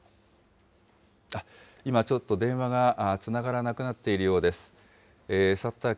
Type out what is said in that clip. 今ちょっと電話がつながらなくなっているようです。